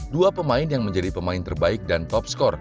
dua pemain yang menjadi pemain terbaik dan top skor